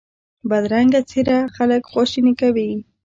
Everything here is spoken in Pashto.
بدرنګه څېره خلک خواشیني کوي